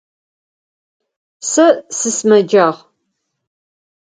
Сэ сысымэджагъ.